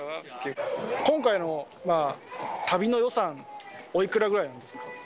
今回の旅の予算、おいくらぐらいなんですか？